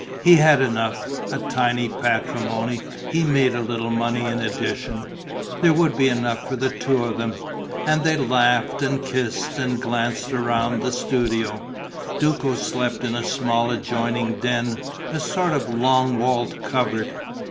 He had enough: a tiny patrimony; he made a little money in addition: there would be enough for the two of them. And they laughed and kissed and glanced round the studio. Duco slept in a small adjoining den, a sort of long wall cupboard.